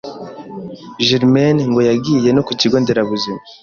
Germaine ngo yagiye no ku kigo nderabuzima